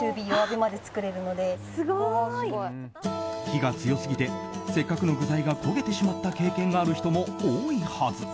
火が強すぎてせっかくの具材が焦げてしまった経験がある人も多いはず。